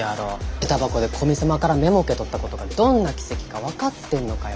下駄箱で古見様からメモ受け取ったことがどんな奇跡か分かってんのかよ